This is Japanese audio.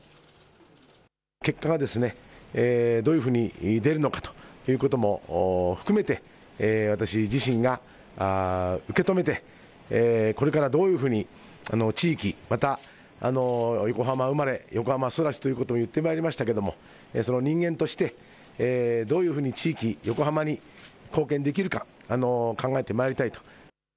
結果がですねどういうふうに出るのかということも含めて私自身が受け止めてこれからどういうふうに地域、また横浜生まれ横浜育ちと言ってまいりましたけれども人間としてどういうふうに地域横浜に貢献できるか考えてまいりたいと。